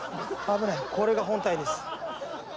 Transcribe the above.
これが本体です。